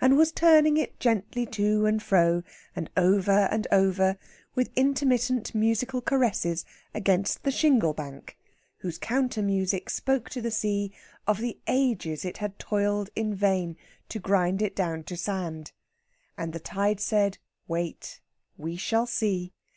and was turning it gently to and fro, and over and over, with intermittent musical caresses, against the shingle bank, whose counter music spoke to the sea of the ages it had toiled in vain to grind it down to sand. And the tide said, wait, we shall see.